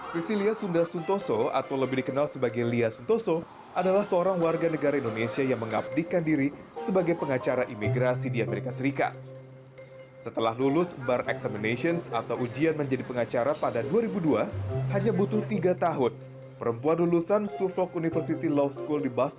pertama lya sunda suntoso